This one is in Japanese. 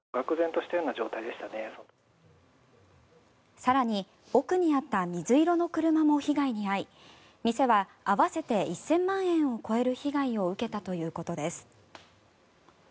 更に、奥にあった水色の車も被害に遭い店は合わせて１０００万円を超える被害を受けたということです。